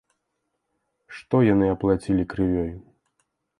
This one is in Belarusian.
Што яны аплацілі крывёй?